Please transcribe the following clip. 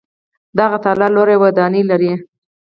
دغه تالار لویه ودانۍ لري.